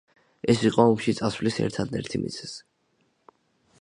ეს იყო ომში წასვლის ერთადერთი მიზეზი.